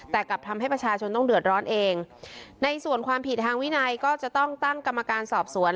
แต่กลับทำให้ประชาชนต้องเดือดร้อนเองในส่วนความผิดทางวินัยก็จะต้องตั้งกรรมการสอบสวน